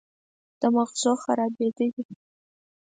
د مغزو خرابېده دي